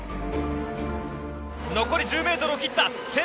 残り１０ｍを切った！